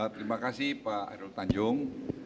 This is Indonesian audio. terima kasih pak hairul tanjung